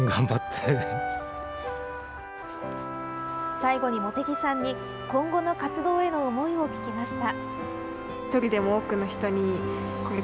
最後に、茂木さんに今後の活動への思いを聞きました。